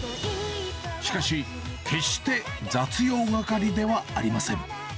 しかし、決して雑用係ではありません。